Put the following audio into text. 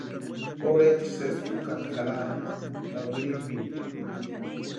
Porhechi sési ukaata jarhatʼi ka wirhipini.